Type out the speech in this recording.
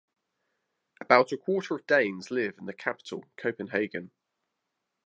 About a quarter of Danes live in the capital Copenhagen.